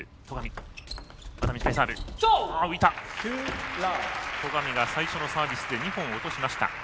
戸上が最初のサービスで２本落としました。